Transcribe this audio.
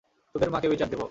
তোদের মাকে বিচার দেব।